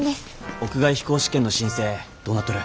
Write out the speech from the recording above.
屋外飛行試験の申請どうなっとる？